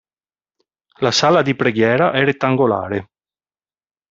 La sala di preghiera è rettangolare.